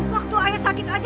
waktu ayah sakit aja